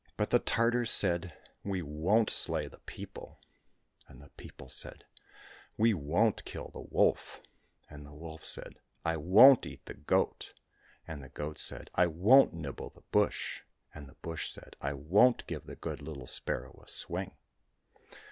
— But the Tartars said, " We won't slay the people !" and the people said, " We won't kill the wolf !" and the wolf said, " I won't eat the goat !" and the goat said, " I won't nibble the bush !" and the bush said, " I won't give the good little sparrow a swing."